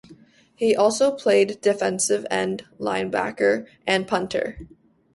He also played defensive end, linebacker, and punter.